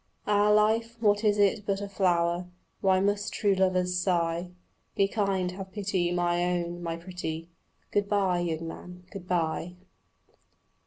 Ah, life, what is it but a flower? Why must true lovers sigh? Be kind, have pity, my own, my pretty, "Good bye, young man, good bye."